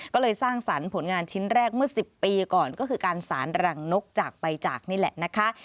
ก็เลยสร้างสรรค์ผลงานชิ้นแรกเมื่อ๑๐ปีก่อนก็คือการสารรังนกจากไปจากนี่แหละนะคะ